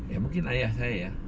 ya mungkin ayah saya ya